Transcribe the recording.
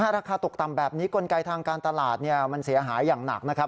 ราคาตกต่ำแบบนี้กลไกทางการตลาดมันเสียหายอย่างหนักนะครับ